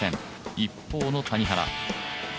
一方の谷原